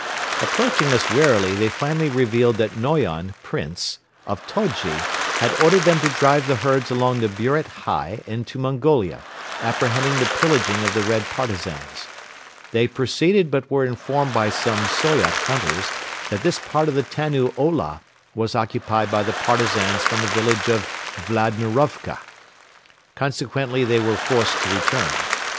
Approaching us warily they finally revealed that Noyon (Prince) of Todji had ordered them to drive the herds along the Buret Hei into Mongolia, apprehending the pillaging of the Red Partisans. They proceeded but were informed by some Soyot hunters that this part of the Tannu Ola was occupied by the Partisans from the village of Vladimirovka. Consequently they were forced to return.